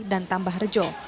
dan tambah rejo